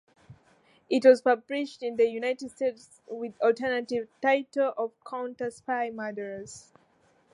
It was published in the United States with the alternative title The Counterspy Murders.